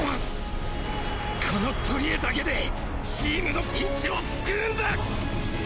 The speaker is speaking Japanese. この取り柄だけでチームのピンチを救うんだ！